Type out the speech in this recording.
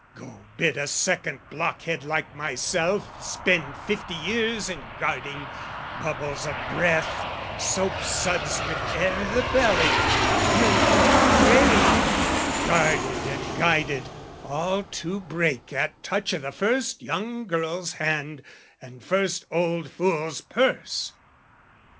Go bid a second blockhead like myself Spend fifty years in guarding bubbles of breath, Soapsuds with air i' the belly, gilded brave, Guarded and guided, all to break at touch O' the first young girl's hand and first old fool's purse!